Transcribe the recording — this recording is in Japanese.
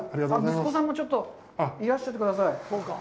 息子さんも、ちょっといらっしゃってください。